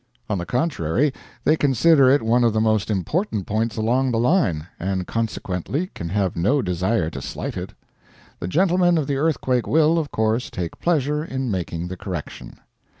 On the contrary, they consider it one of the most important points along the line, and consequently can have no desire to slight it. The gentlemen of the Earthquake will, of course, take pleasure in making the correction.